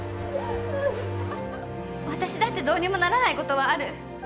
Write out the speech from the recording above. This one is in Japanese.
私だってどうにもならないことはある。